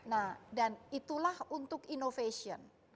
nah dan itulah untuk innovation